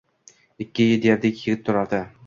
Ikki devdek yigit turardi